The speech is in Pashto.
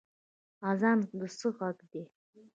اذان د څه غږ دی؟